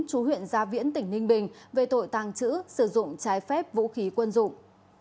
chú huyện gia viễn tỉnh ninh bình về tội tàng trữ sử dụng trái phép vũ khí quân dụng